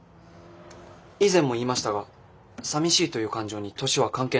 以前も言いましたがさみしいという感情に年は関係ないかと。